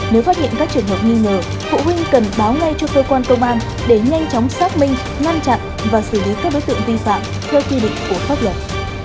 nếu phát hiện các trường hợp nghi ngờ phụ huynh cần báo ngay cho cơ quan công an để nhanh chóng xác minh ngăn chặn và xử lý các đối tượng vi phạm theo quy định của pháp luật